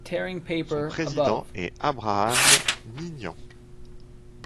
Son président est Abraham Nignan.